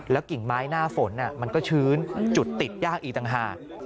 กิ่งไม้หน้าฝนมันก็ชื้นจุดติดยากอีกต่างหาก